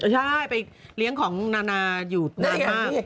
ใช่ไปเลี้ยงของนานาอยู่หน้า